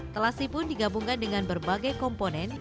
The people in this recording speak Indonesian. telasi pun digabungkan dengan berbagai komponen